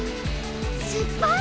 しっぱい？